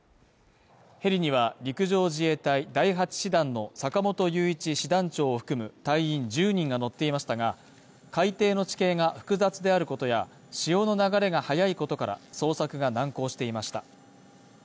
ヘリには陸上自衛隊第８師団の坂本雄一師団長を含む隊員１０人が乗っていましたが、海底の地形が複雑であることや、潮の流れが速いことから、捜索が難航していました。